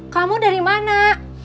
kamu dari mana